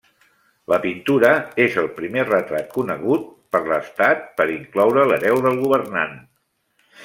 La pintura és el primer retrat conegut per l'estat per incloure l'hereu del governant.